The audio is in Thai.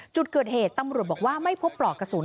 จุดเกิดเหตุตำรวจบอกว่าไม่พบปลอกกระสุน